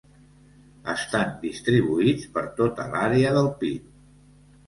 Estan distribuïts per tota l'àrea del pit.